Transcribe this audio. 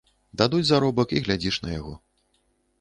Дадуць заробак і глядзіш на яго.